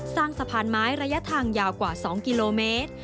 สร้างสะพานไม้ระยะทางยาวกว่า๒กิโลเมตร